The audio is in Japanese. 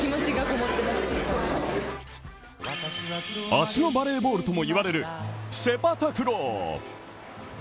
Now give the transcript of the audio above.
足のバレーボールともいわれるセパタクロー。